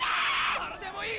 誰でもいい！